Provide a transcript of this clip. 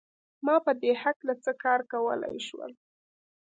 ما په دې هکله څه کار کولای شول